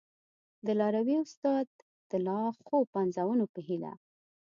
د لاروي استاد د لا ښو پنځونو په هیله!